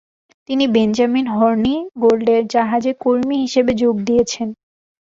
তিনি বেঞ্জামিন হর্নিগোল্ডের জাহাজে কর্মী হিসেবে যোগ দিয়েছিলেন।